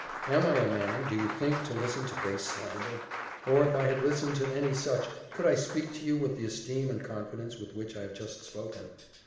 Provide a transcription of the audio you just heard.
"Am I a man, do you think, to listen to base slander? Or, if I had listened to any such, could I speak to you with the esteem and confidence with which I have just spoken?